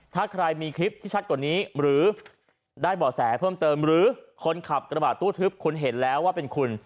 ถ้าใครมีคลิปที่ชัดกว่านี้หรือได้บ่อแสเพิ่มเติมหรือคนขับกระบาดตู้ทึบคุณเห็นแล้วว่าเป็นคุณ